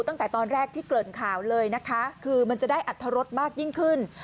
ตั้งแต่ตอนแรกที่เกริ่นข่าวเลยนะคะคือมันจะได้อัตรรสมากยิ่งขึ้น